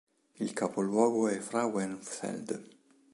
Il capoluogo è Frauenfeld.